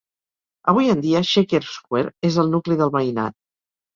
Avui en dia, Shaker Square és el nucli del veïnat.